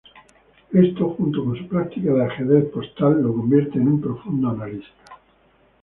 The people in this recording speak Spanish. Esto junto con su práctica de ajedrez postal lo convierte en un profundo analista.